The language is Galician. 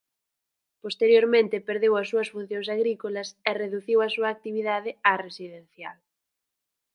Posteriormente perdeu as súas funcións agrícolas e reduciu a súa actividade á residencial.